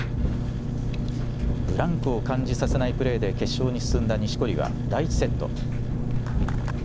ブランクを感じさせないプレーで決勝に進んだ錦織は、第１セット。